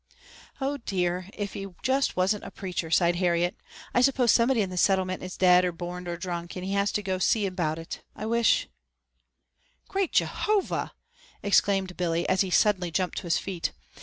"Oh, dear, if he just wasn't a preacher," sighed Harriet. "I suppose somebody in the Settlement is dead or borned or drunk, and he has to go and see about it. I wish " "Great Jehovah!" exclaimed Billy, as he suddenly jumped to his feet.